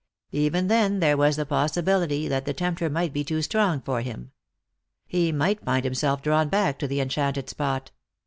Even then there was the possibility that the tempter might be too strong for him. He might find himself drawn back to the enchanted spot.